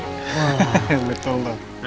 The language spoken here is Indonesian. hahaha betul dong